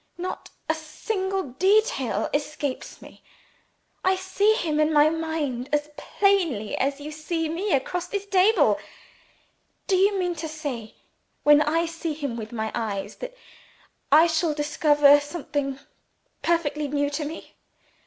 Not a single detail escapes me. I see him in my mind as plainly as you see me across this table. Do you mean to say, when I see him with my eyes, that I shall discover something perfectly new to me?